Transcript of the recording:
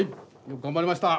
よく頑張りました。